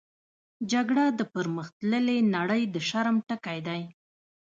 جګړه د پرمختللې نړۍ د شرم ټکی دی